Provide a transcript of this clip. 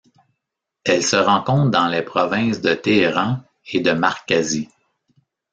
Elle se rencontre dans les provinces de Téhéran et de Markazi.